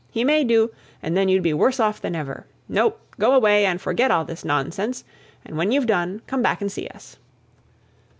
He may do, and then you'd be worse off than ever. No! go away, and forget all this nonsense; and when you've done, come back and see us!"